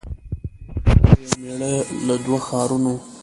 یوه ښځه یو مېړه له دوو ښارونو